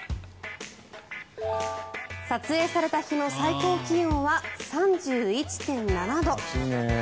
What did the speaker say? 撮影された日の最高気温は３１．７度。